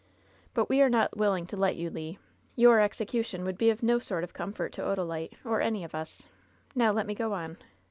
"But we are not willing to let you, Le. Your exe cution would be of no sort of comfort to Odalite, or any of us. Now let me go on.